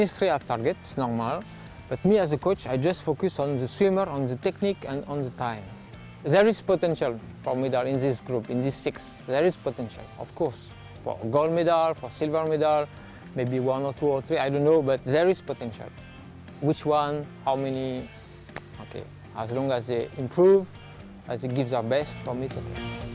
saya berharap ini akan berjaya dan memberikan kebaikan untuk misi ini